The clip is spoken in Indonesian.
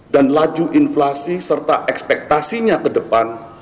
dan laju inflasi serta ekspektasinya ke depan